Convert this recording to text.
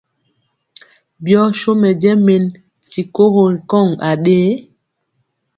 Byɔ so mɛjɛ men ti kogo ri kɔŋ aɗee?